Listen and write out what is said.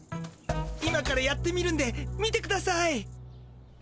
今からやってみるんで見てください。